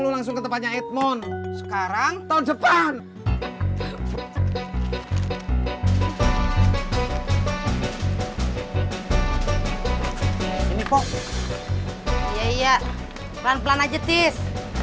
lu langsung ke tempatnya edmond sekarang tahun depan ini pok ya iya pelan pelan aja tis